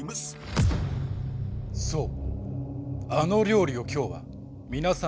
そう。